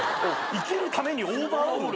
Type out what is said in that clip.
生きるためにオーバーオール。